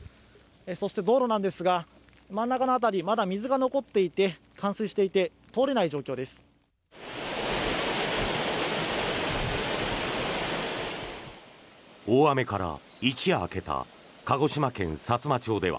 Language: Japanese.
そして、道路なんですが真ん中の辺りまだ水が残っていて冠水していて通れない状況です。